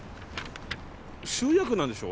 主役なんでしょ？